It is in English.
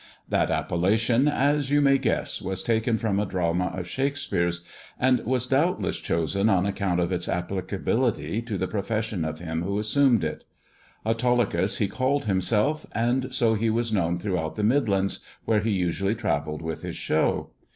That appellation, as you may guess, as taken from a drama of Shakespeare's, and was doubt ss chosen on account of its applicability to the profession him who assumed it. Autolycus, he called himself, and I he was known throughout the Midlands, where he usually avelled with his show.